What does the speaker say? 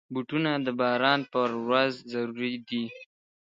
بوټونه د باران پر ورځ ضروري دي.